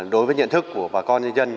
đối với nhận thức của bà con nhân dân